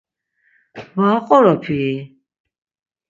Va aqoropii?